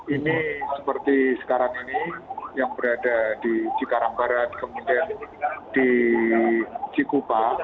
ini seperti sekarang ini yang berada di cikarang barat kemudian di cikupa